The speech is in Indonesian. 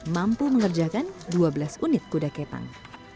mampu mengerjakan dua belas unit kuda kepang